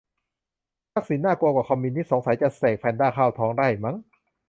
'ทักษิณ น่ากลัวกว่า คอมมิวนิสต์' สงสัยจะเสกแพนด้าเข้าท้องได้มั้ง